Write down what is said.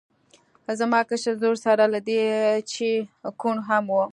زما کشر زوی سره له دې چې کوڼ هم و